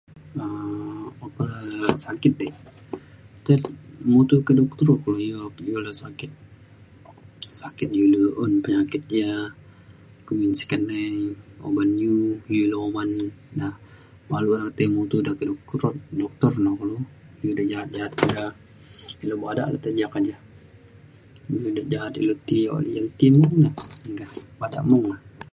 [unintelligible] oka le sakit dik tai mutu ke dokter kulu ya iu le sakit sakit iu ilu un penyakit ja kumin sik keney oban iu, iu ilu oman da baluk le tai matu da ka [unintelligible] doktor no kulu iu de' ja'at ja'at da ilu badak te lukte ke ja iu da ja'at ilu ti ya le ti mung na meka badak mung ne